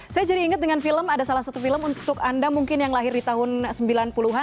saya jadi ingat dengan film ada salah satu film untuk anda mungkin yang lahir di tahun sembilan puluh an